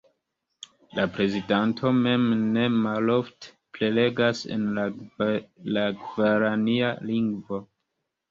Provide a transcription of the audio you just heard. La prezidanto mem ne malofte prelegas en la gvarania lingvo.